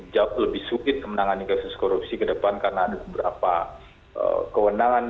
jauh lebih sulit menangani kasus korupsi ke depan karena ada beberapa kewenangan